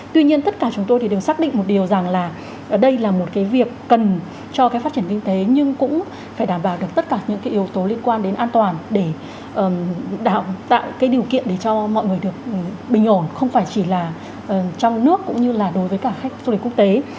tuy nhiên tất cả chúng tôi thì đều xác định một điều rằng là đây là một cái việc cần cho cái phát triển kinh tế nhưng cũng phải đảm bảo được tất cả những cái yếu tố liên quan đến an toàn để tạo cái điều kiện để cho mọi người được bình ổn không phải chỉ là trong nước cũng như là đối với cả khách du lịch quốc tế